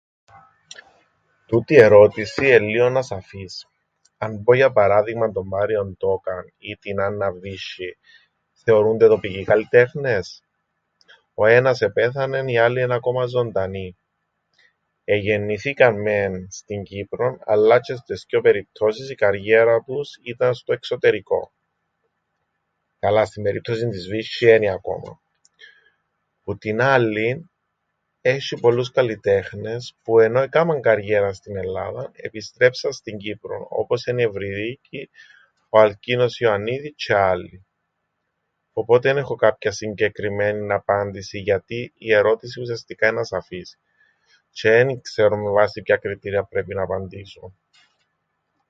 Τούτη η ερώτηση εν' λλίον ασαφής. Αν πω για παράδειγμαν τον Μάριον Τόκαν ή την Άνναν Βίσ̆σ̆ην, θεωρούνται τοπικοί καλλιτέχνες; Ο ένας επέθανεν, η άλλη εν' ακόμα ζωντανή. Εγεννηθήκαν μεν στην Κύπρον αλλά τζ̆αι στες θκυο περιπτώσεις η καριέρα τους ήταν στο εξωτερικόν. Καλά στην περίπτωσην της Βίσ̆σ̆η ένι ακόμα. Που την άλλην, έσ̆ει πολλούς καλλιτέχνες που ενώ εκάμαν καριέραν στην Ελλάδαν επιστρέψαν στην Κύπρον, όπως εν' η Ευριδίκη, ο Αλκίνοος Ιωαννίδης τζ̆αι άλλοι. Οπότε εν έχω κάποιαν συγκεκριμένην απάντησην, γιατί η ερώτηση ουσιαστικά εν' ασαφής... τζ̆αι εν ι-ξέρω με βάση ποια κριτήρια πρέπει να απαντήσω.